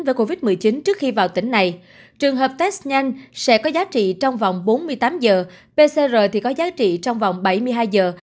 với covid một mươi chín trước khi vào tỉnh này trường hợp test nhanh sẽ có giá trị trong vòng bốn mươi tám giờ pcr thì có giá trị trong vòng bảy mươi hai giờ